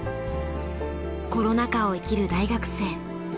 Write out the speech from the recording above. コロナ禍を生きる大学生